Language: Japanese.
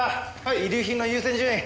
遺留品の優先順位。